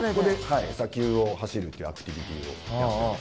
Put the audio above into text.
はい砂丘を走るっていうアクティビティーをやってます。